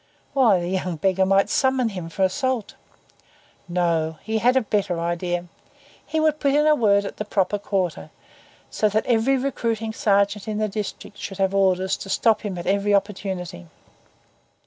Why, the young beggar might summon him for assault. No; he had a better idea. He would put in a word at the proper quarter, so that every recruiting sergeant in the district should have orders to stop him at every opportunity.